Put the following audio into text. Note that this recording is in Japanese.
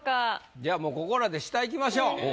じゃあもうここらで下いきましょう。